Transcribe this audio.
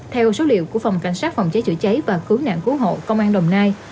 theo số liệu của phòng cảnh sát phòng cháy chữa cháy và cứu nạn cứu hộ công an đồng nai